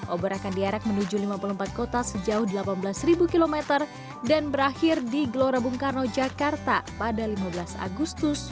obor akan diarak menuju lima puluh empat kota sejauh delapan belas km dan berakhir di gelora bung karno jakarta pada lima belas agustus dua ribu dua puluh